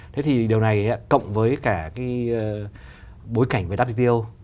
thế thì điều này cộng với cả cái bối cảnh về wto